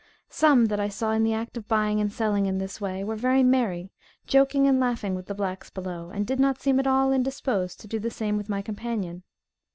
Some that I saw in the act of buying and selling in this way, were very merry, joking and laughing with the blacks below, and did not seem at all indisposed to do the same with my companion.